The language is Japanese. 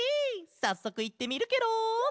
さっそくいってみるケロ。